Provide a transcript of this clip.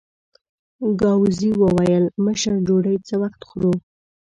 ګاووزي وویل: مشره ډوډۍ څه وخت خورو؟